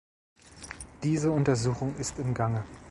Diese Untersuchung ist im Gange.